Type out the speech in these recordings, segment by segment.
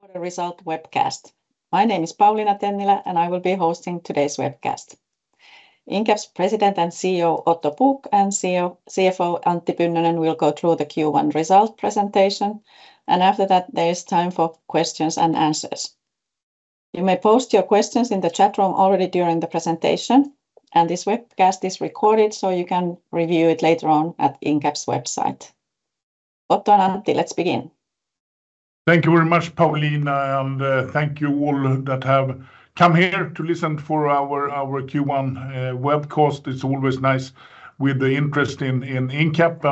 Incap Results Webcast. My name is Pauliina Tennilä, and I will be hosting today's webcast. Incap's President and CEO Otto Pukk and CFO Antti Pynnönen will go through the Q1 result presentation, and after that there is time for questions and answers. You may post your questions in the chat room already during the presentation, and this webcast is recorded so you can review it later on at Incap's website. Otto and Antti, let's begin. Thank you very much, Pauliina, and thank you all that have come here to listen for our Q1 webcast. It's always nice with the interest in Incap,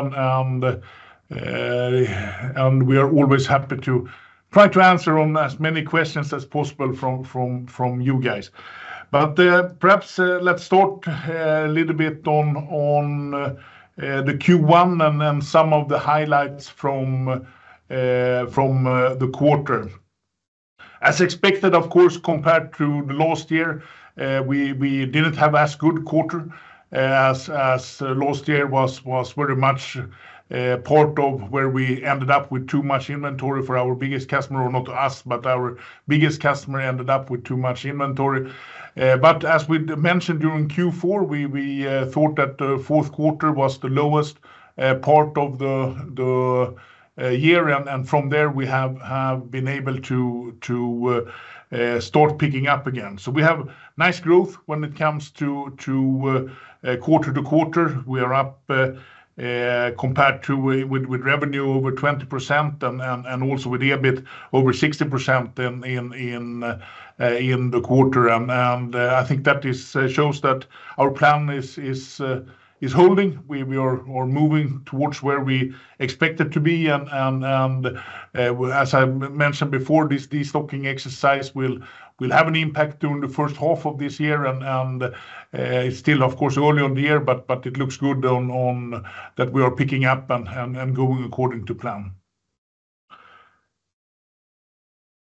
and we are always happy to try to answer as many questions as possible from you guys. But perhaps let's start a little bit on the Q1 and some of the highlights from the quarter. As expected, of course, compared to the last year, we didn't have as good a quarter as last year was very much part of where we ended up with too much inventory for our biggest customer, or not us, but our biggest customer ended up with too much inventory. But as we mentioned during Q4, we thought that the fourth quarter was the lowest part of the year, and from there we have been able to start picking up again. So we have nice growth when it comes to quarter-over-quarter. We are up compared to with revenue over 20% and also with EBIT over 60% in the quarter. And I think that shows that our plan is holding. We are moving towards where we expect it to be. And as I mentioned before, this stocking exercise will have an impact during the first half of this year. And it's still, of course, early on the year, but it looks good that we are picking up and going according to plan.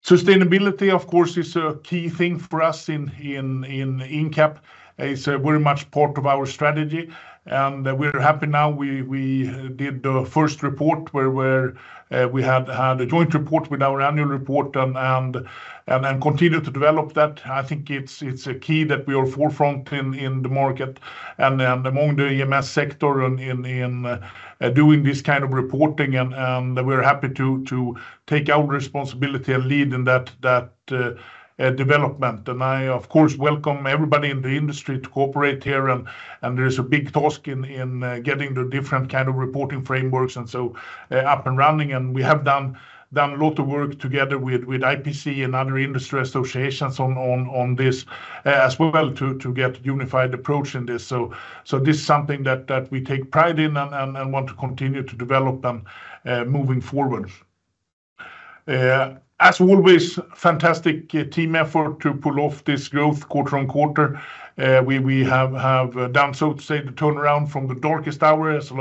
Sustainability, of course, is a key thing for us in Incap. It's very much part of our strategy. And we're happy now. We did the first report where we had a joint report with our annual report and continued to develop that. I think it's a key that we are forefront in the market and among the EMS sector in doing this kind of reporting. We're happy to take our responsibility and lead in that development. I, of course, welcome everybody in the industry to cooperate here. There is a big task in getting the different kind of reporting frameworks and so up and running. We have done a lot of work together with IPC and other industry associations on this as well to get a unified approach in this. So this is something that we take pride in and want to continue to develop and moving forward. As always, fantastic team effort to pull off this growth quarter on quarter. We have done, so to say, the turnaround from the darkest hour, as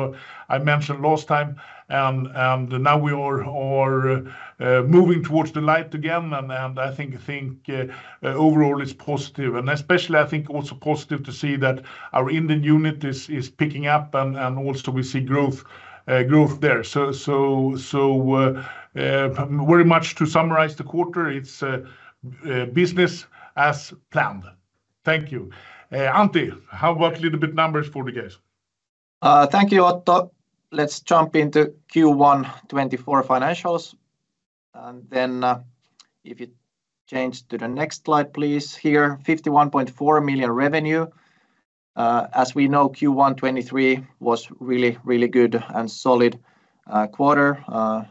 I mentioned last time. Now we are moving towards the light again. I think overall it's positive. Especially, I think, also positive to see that our Indian unit is picking up and also we see growth there. So very much to summarize the quarter, it's business as planned. Thank you. Antti, how about a little bit numbers for the guys? Thank you, Otto. Let's jump into Q1 2024 financials. Then if you change to the next slide, please, here, 51.4 million revenue. As we know, Q1 2023 was really, really good and solid quarter.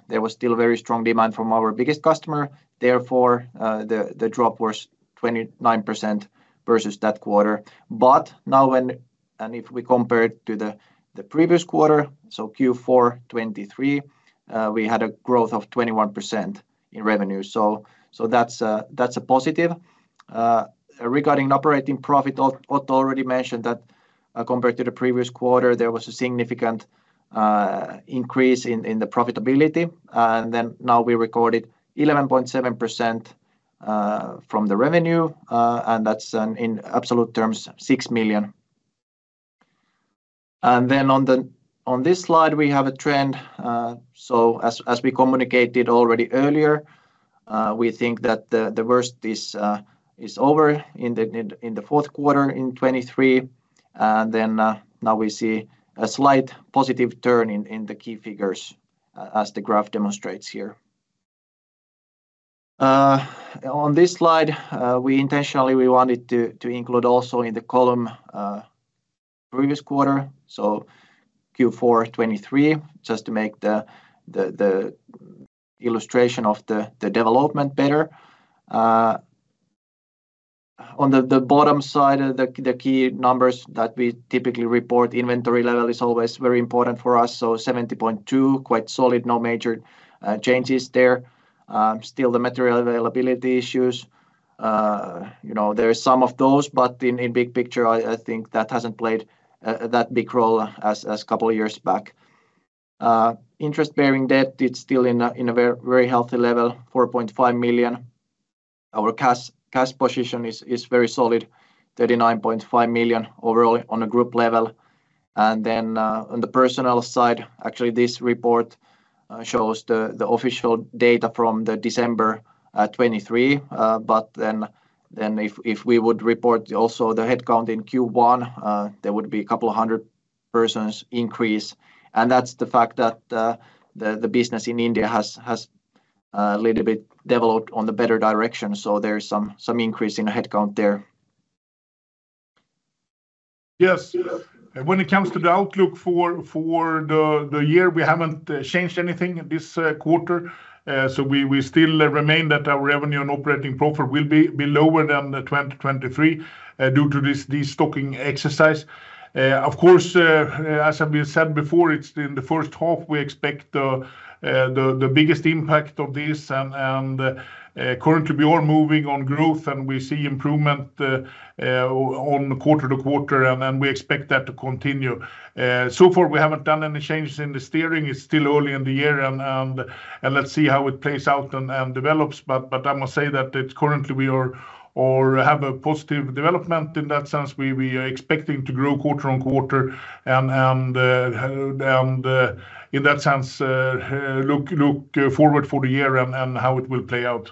There was still very strong demand from our biggest customer. Therefore, the drop was 29% versus that quarter. But now, and if we compare it to the previous quarter, so Q4 2023, we had a growth of 21% in revenue. So that's a positive. Regarding operating profit, Otto already mentioned that compared to the previous quarter, there was a significant increase in the profitability. And then now we recorded 11.7% from the revenue. And that's, in absolute terms, 6 million. And then on this slide, we have a trend. So as we communicated already earlier, we think that the worst is over in the fourth quarter in 2023. Then now we see a slight positive turn in the key figures, as the graph demonstrates here. On this slide, we intentionally wanted to include also in the column previous quarter, so Q4 2023, just to make the illustration of the development better. On the bottom side, the key numbers that we typically report, inventory level is always very important for us. So 70.2 million, quite solid, no major changes there. Still, the material availability issues, there is some of those, but in big picture, I think that hasn't played that big role as a couple of years back. Interest-bearing debt, it's still in a very healthy level, 4.5 million. Our cash position is very solid, 39.5 million overall on a group level. And then on the personal side, actually, this report shows the official data from December 2023. Then if we would report also the headcount in Q1, there would be a couple of hundred persons' increase. That's the fact that the business in India has a little bit developed in the better direction. There's some increase in headcount there. Yes. When it comes to the outlook for the year, we haven't changed anything this quarter. We still remain that our revenue and operating profit will be lower than 2023 due to this stocking exercise. Of course, as I've said before, it's in the first half we expect the biggest impact of this. Currently, we are moving on growth, and we see improvement quarter-to-quarter, and we expect that to continue. So far, we haven't done any changes in the steering. It's still early in the year, and let's see how it plays out and develops. I must say that currently, we have a positive development in that sense. We are expecting to grow quarter-on-quarter, and in that sense, look forward for the year and how it will play out.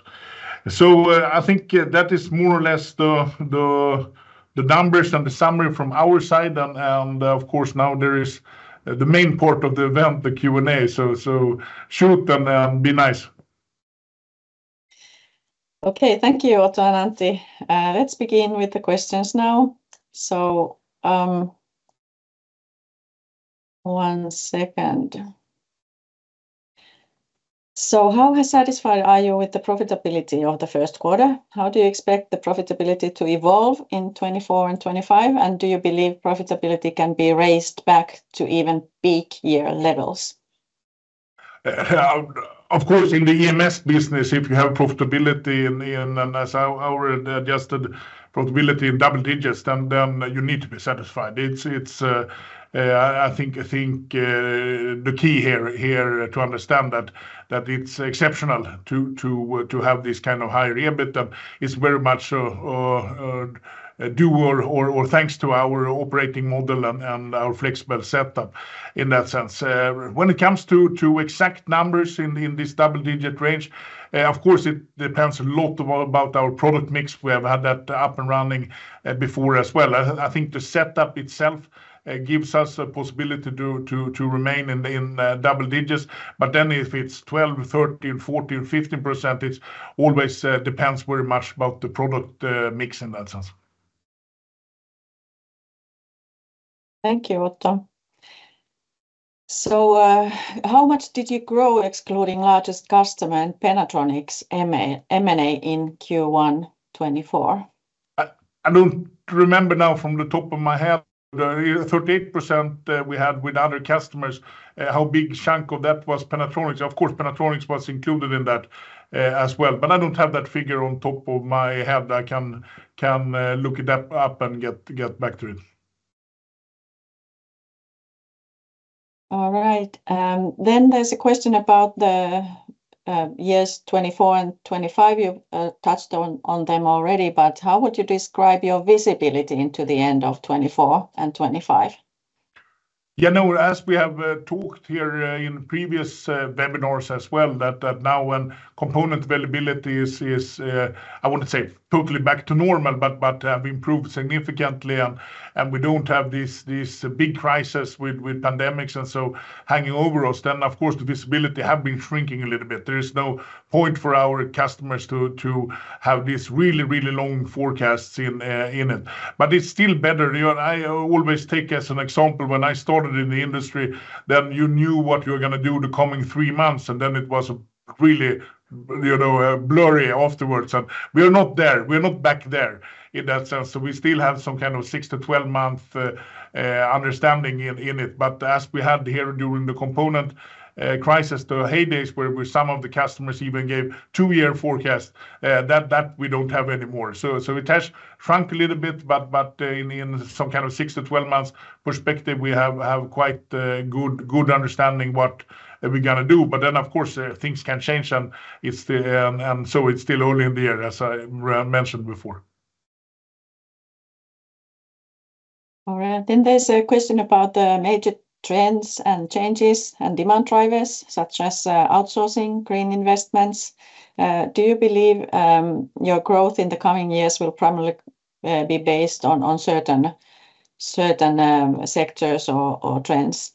I think that is more or less the numbers and the summary from our side. Of course, now there is the main part of the event, the Q&A. Shoot and be nice. Okay, thank you, Otto and Antti. Let's begin with the questions now. So one second. So how satisfied are you with the profitability of the first quarter? How do you expect the profitability to evolve in 2024 and 2025? And do you believe profitability can be raised back to even peak year levels? Of course, in the EMS business, if you have profitability and as our adjusted profitability in double digits, then you need to be satisfied. I think the key here to understand that it's exceptional to have this kind of higher EBITDA. It's very much due or thanks to our operating model and our flexible setup in that sense. When it comes to exact numbers in this double-digit range, of course, it depends a lot about our product mix. We have had that up and running before as well. I think the setup itself gives us a possibility to remain in double digits. But then if it's 12, 13, 14, 15%, it always depends very much about the product mix in that sense. Thank you, Otto. So how much did you grow excluding largest customer and Pennatronics M&A in Q1 2024? I don't remember now from the top of my head. 38% we had with other customers. How big chunk of that was Pennatronics? Of course, Pennatronics was included in that as well. But I don't have that figure on top of my head. I can look it up and get back to it. All right. Then there's a question about the years 2024 and 2025. You touched on them already, but how would you describe your visibility into the end of 2024 and 2025? Yeah, no, as we have talked here in previous webinars as well, that now when component availability is, I wouldn't say totally back to normal, but have improved significantly. And we don't have these big crises with pandemics and so hanging over us. Then, of course, the visibility has been shrinking a little bit. There is no point for our customers to have these really, really long forecasts in it. But it's still better. I always take as an example, when I started in the industry, then you knew what you were going to do the coming three months, and then it was really blurry afterwards. And we are not there. We are not back there in that sense. So we still have some kind of 6-12-month understanding in it. But as we had here during the component crisis, the heydays where some of the customers even gave 2-year forecasts, that we don't have anymore. So it has shrunk a little bit, but in some kind of 6-12-month perspective, we have quite good understanding of what we're going to do. But then, of course, things can change. And so it's still early in the year, as I mentioned before. All right. Then there's a question about major trends and changes and demand drivers such as outsourcing, green investments. Do you believe your growth in the coming years will primarily be based on certain sectors or trends?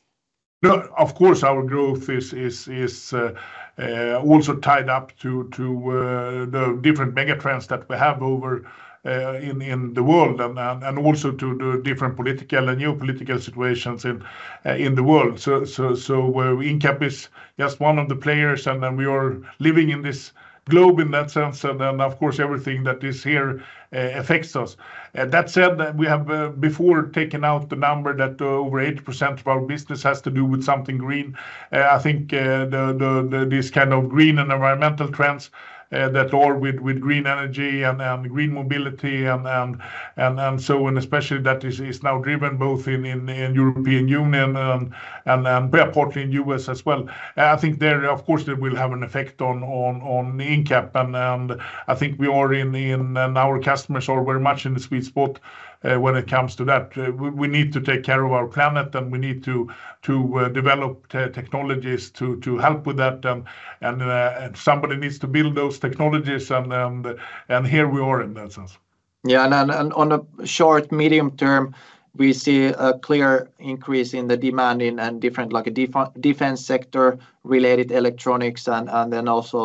No, of course, our growth is also tied up to the different megatrends that we have in the world and also to the different political and new political situations in the world. So Incap is just one of the players, and we are living in this globe in that sense. And then, of course, everything that is here affects us. That said, we have before taken out the number that over 80% of our business has to do with something green. I think these kind of green and environmental trends that are with green energy and green mobility and so on, especially that is now driven both in the European Union and partly in the U.S. as well. I think, of course, it will have an effect on Incap. And I think we are in and our customers are very much in the sweet spot when it comes to that. We need to take care of our planet, and we need to develop technologies to help with that. And here we are in that sense. Yeah, on a short- to medium-term, we see a clear increase in the demand in different defense sector-related electronics and then also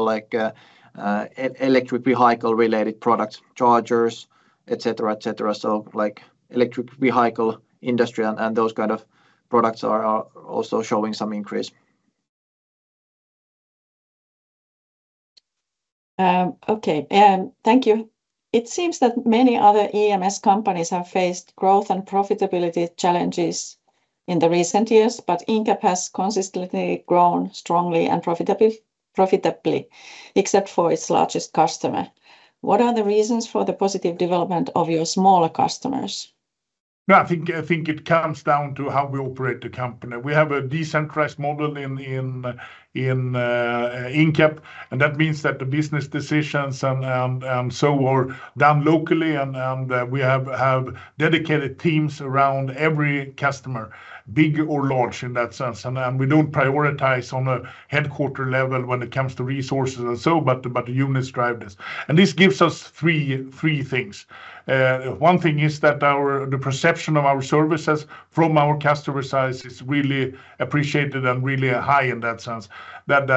electric vehicle-related products, chargers, etc., etc. So the electric vehicle industry and those kind of products are also showing some increase. Okay, thank you. It seems that many other EMS companies have faced growth and profitability challenges in the recent years, but Incap has consistently grown strongly and profitably, except for its largest customer. What are the reasons for the positive development of your smaller customers? I think it comes down to how we operate the company. We have a decentralized model in Incap, and that means that the business decisions and so are done locally. We have dedicated teams around every customer, big or large in that sense. We don't prioritize on a headquarter level when it comes to resources and so, but the units drive this. This gives us three things. One thing is that the perception of our services from our customer size is really appreciated and really high in that sense, that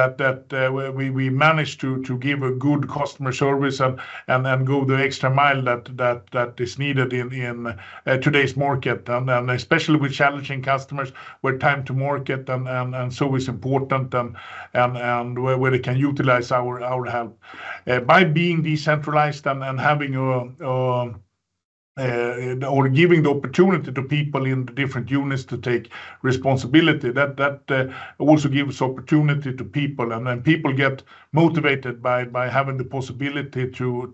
we manage to give a good customer service and go the extra mile that is needed in today's market, and especially with challenging customers where time to market and so is important and where they can utilize our help. By being decentralized and having or giving the opportunity to people in the different units to take responsibility, that also gives opportunity to people. Then people get motivated by having the possibility to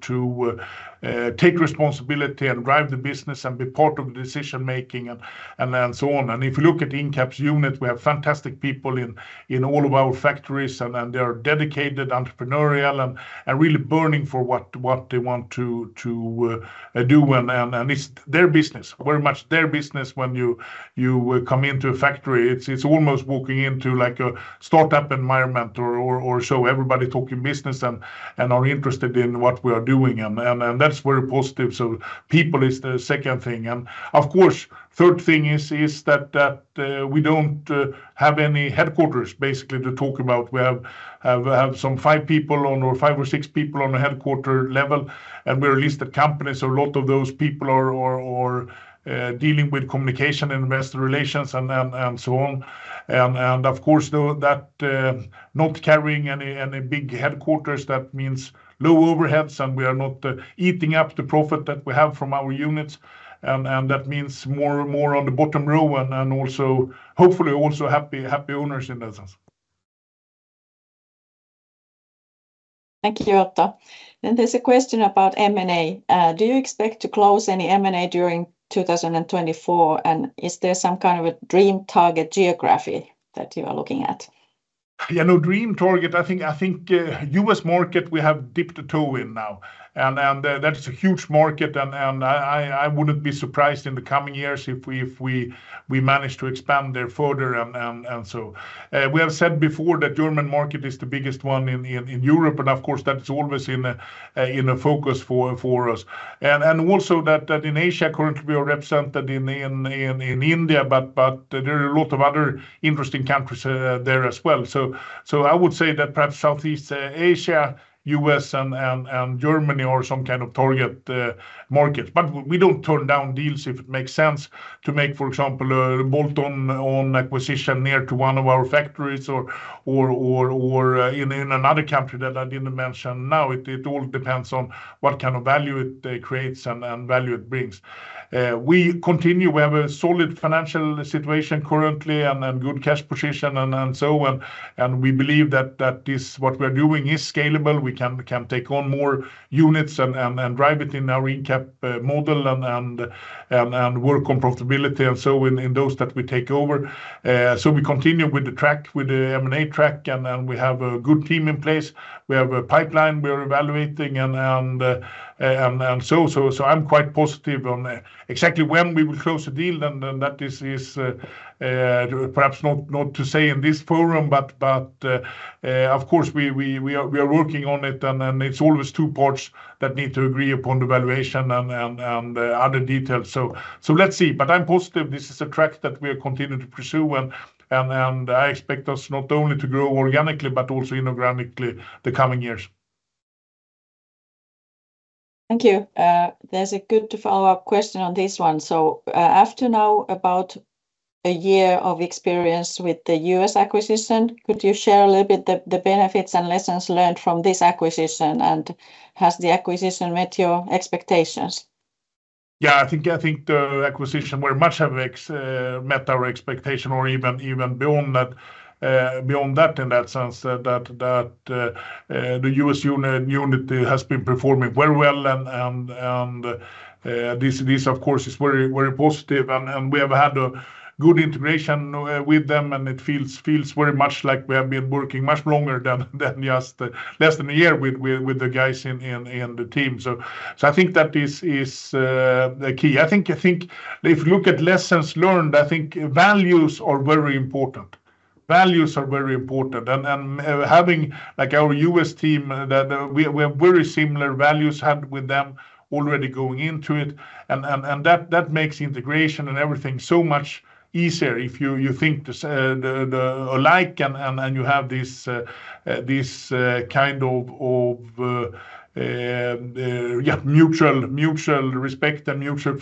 take responsibility and drive the business and be part of the decision-making and so on. If you look at Incap's unit, we have fantastic people in all of our factories, and they are dedicated, entrepreneurial, and really burning for what they want to do. It's their business, very much their business when you come into a factory. It's almost walking into a startup environment or so, everybody talking business and are interested in what we are doing. That's very positive. People is the second thing. Of course, third thing is that we don't have any headquarters, basically, to talk about. We have some 5 people or 5 or 6 people on a headquarters level, and we are listed companies. So a lot of those people are dealing with communication and investor relations and so on. And of course, not carrying any big headquarters, that means low overheads, and we are not eating up the profit that we have from our units. And that means more on the bottom line and also, hopefully, also happy owners in that sense. Thank you, Otto. Then there's a question about M&A. Do you expect to close any M&A during 2024? And is there some kind of a dream target geography that you are looking at? Yeah, no dream target. I think U.S. market we have dipped a toe in now. And that is a huge market, and I wouldn't be surprised in the coming years if we manage to expand there further and so. We have said before that the German market is the biggest one in Europe, and of course, that is always in the focus for us. And also that in Asia, currently, we are represented in India, but there are a lot of other interesting countries there as well. So I would say that perhaps Southeast Asia, U.S., and Germany are some kind of target markets. But we don't turn down deals if it makes sense to make, for example, a bolt-on acquisition near to one of our factories or in another country that I didn't mention now. It all depends on what kind of value it creates and value it brings. We continue. We have a solid financial situation currently and good cash position and so. And we believe that what we are doing is scalable. We can take on more units and drive it in our Incap model and work on profitability and so in those that we take over. So we continue with the track, with the M&A track, and we have a good team in place. We have a pipeline we are evaluating. And so I'm quite positive on exactly when we will close a deal. And that is perhaps not to say in this forum, but of course, we are working on it. And it's always two parts that need to agree upon the valuation and other details. So let's see. But I'm positive. This is a track that we are continuing to pursue, and I expect us not only to grow organically but also inorganically the coming years. Thank you. There's a good follow-up question on this one. So after now about a year of experience with the U.S. acquisition, could you share a little bit the benefits and lessons learned from this acquisition? And has the acquisition met your expectations? Yeah, I think the acquisition very much met our expectation or even beyond that in that sense, that the U.S. unit has been performing very well. This, of course, is very positive. We have had a good integration with them, and it feels very much like we have been working much longer than just less than a year with the guys in the team. So I think that is the key. I think if you look at lessons learned, I think values are very important. Values are very important. Having our U.S. team, we have very similar values had with them already going into it. That makes integration and everything so much easier if you think alike and you have this kind of mutual respect and mutual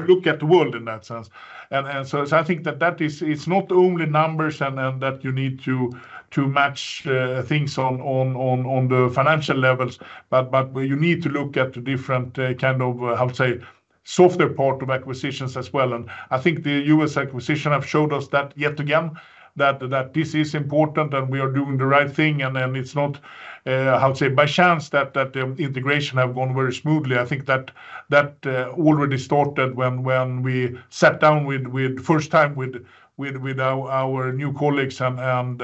look at the world in that sense. So I think that it's not only numbers and that you need to match things on the financial levels, but you need to look at the different kind of, I would say, softer part of acquisitions as well. I think the U.S. acquisition have showed us that yet again, that this is important and we are doing the right thing. It's not, I would say, by chance that the integration have gone very smoothly. I think that already started when we sat down first time with our new colleagues and understood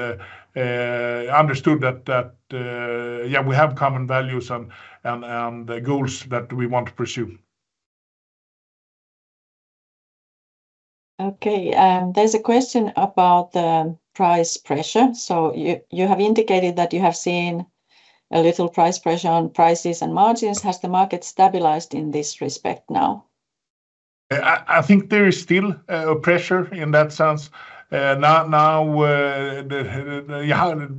that, yeah, we have common values and goals that we want to pursue. Okay. There's a question about the price pressure. You have indicated that you have seen a little price pressure on prices and margins. Has the market stabilized in this respect now? I think there is still a pressure in that sense. Now,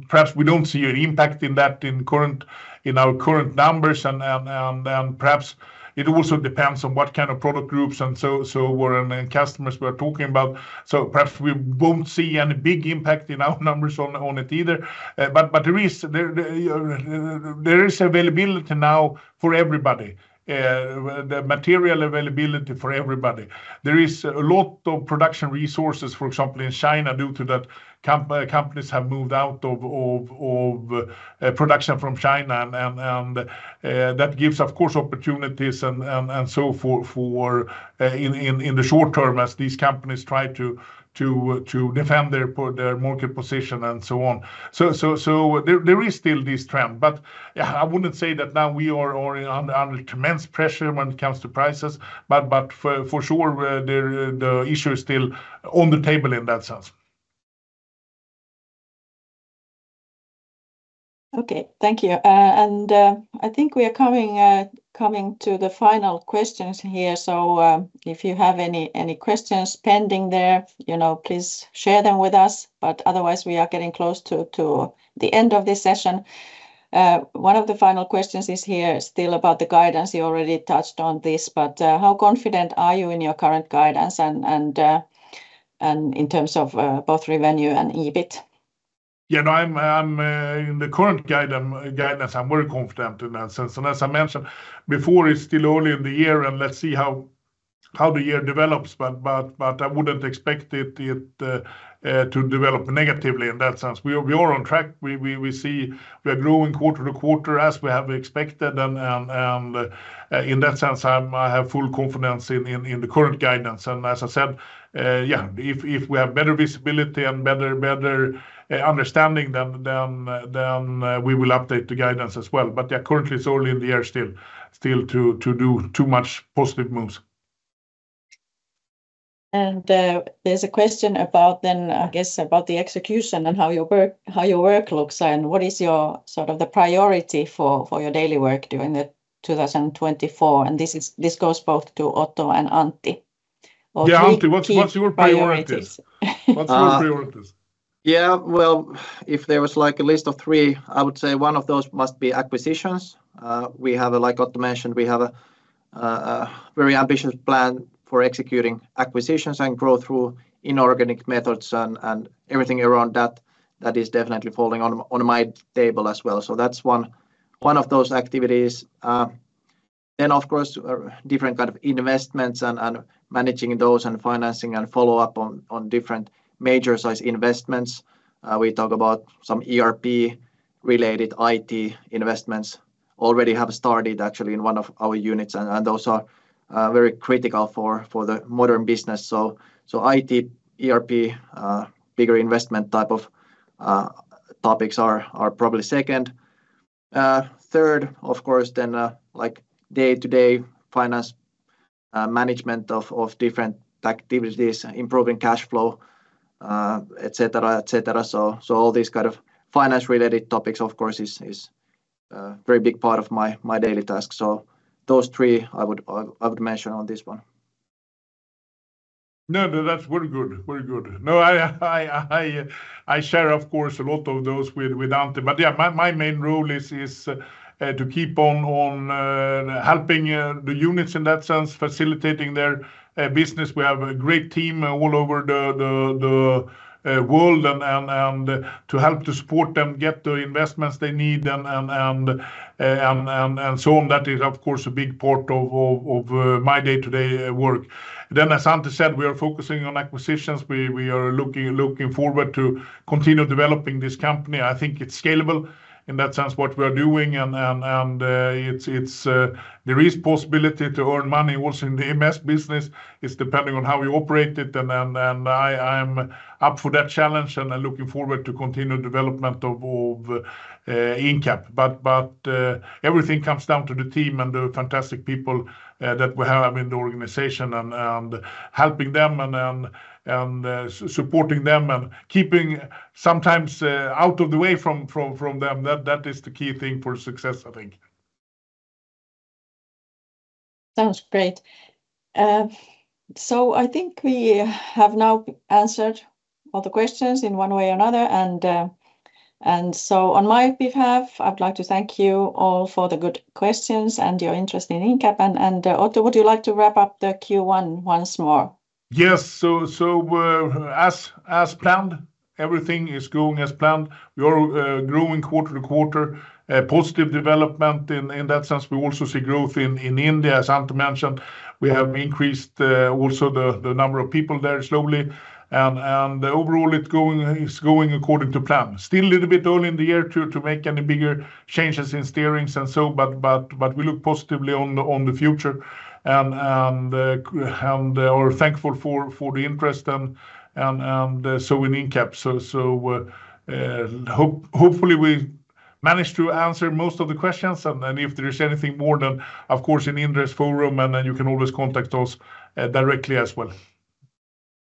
perhaps we don't see an impact in that in our current numbers. Perhaps it also depends on what kind of product groups and so where customers we are talking about. Perhaps we won't see any big impact in our numbers on it either. But there is availability now for everybody, the material availability for everybody. There is a lot of production resources, for example, in China due to that companies have moved out of production from China. That gives, of course, opportunities and so forth in the short term as these companies try to defend their market position and so on. There is still this trend. But I wouldn't say that now we are under tremendous pressure when it comes to prices. For sure, the issue is still on the table in that sense. Okay, thank you. I think we are coming to the final questions here. If you have any questions pending there, please share them with us. Otherwise, we are getting close to the end of this session. One of the final questions is here still about the guidance. You already touched on this, but how confident are you in your current guidance in terms of both revenue and EBIT? Yeah, no, in the current guidance, I'm very confident in that sense. And as I mentioned before, it's still early in the year, and let's see how the year develops. But I wouldn't expect it to develop negatively in that sense. We are on track. We are growing quarter to quarter as we have expected. And in that sense, I have full confidence in the current guidance. And as I said, yeah, if we have better visibility and better understanding, then we will update the guidance as well. But yeah, currently, it's early in the year still to do too much positive moves. There's a question about then, I guess, about the execution and how your work looks and what is sort of the priority for your daily work during 2024. This goes both to Otto and Antti. Yeah, Antti, what's your priorities? What's your priorities? Yeah, well, if there was a list of three, I would say one of those must be acquisitions. We have, like Otto mentioned, we have a very ambitious plan for executing acquisitions and growth through inorganic methods and everything around that that is definitely falling on my table as well. So that's one of those activities. Then, of course, different kind of investments and managing those and financing and follow-up on different major-size investments. We talk about some ERP-related IT investments already have started, actually, in one of our units. And those are very critical for the modern business. So IT, ERP, bigger investment type of topics are probably second. Third, of course, then day-to-day finance management of different activities, improving cash flow, etc., etc. So all these kind of finance-related topics, of course, is a very big part of my daily task. Those three, I would mention on this one. No, that's very good. Very good. No, I share, of course, a lot of those with Antti. But yeah, my main role is to keep on helping the units in that sense, facilitating their business. We have a great team all over the world to help to support them, get the investments they need, and so on. That is, of course, a big part of my day-to-day work. Then, as Antti said, we are focusing on acquisitions. We are looking forward to continue developing this company. I think it's scalable in that sense, what we are doing. And there is possibility to earn money also in the MS business. It's depending on how you operate it. And I'm up for that challenge and looking forward to continue development of Incap. Everything comes down to the team and the fantastic people that we have in the organization and helping them and supporting them and keeping sometimes out of the way from them. That is the key thing for success, I think. Sounds great. So I think we have now answered all the questions in one way or another. And so on my behalf, I'd like to thank you all for the good questions and your interest in Incap. And Otto, would you like to wrap up the Q1 once more? Yes. So as planned, everything is going as planned. We are growing quarter to quarter, positive development in that sense. We also see growth in India, as Antti mentioned. We have increased also the number of people there slowly. And overall, it's going according to plan. Still a little bit early in the year to make any bigger changes in steerings and so. But we look positively on the future and are thankful for the interest and so in Incap. So hopefully, we managed to answer most of the questions. And if there is anything more than, of course, an IR forum, then you can always contact us directly as well.